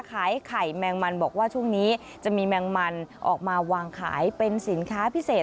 ขายไข่แมงมันบอกว่าช่วงนี้จะมีแมงมันออกมาวางขายเป็นสินค้าพิเศษ